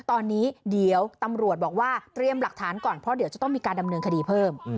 ตอนนี้เดี๋ยวตำรวจบอกว่าเตรียมหลักฐานก่อนเพราะเดี๋ยวจะต้องมีการดำเนินคดีเพิ่ม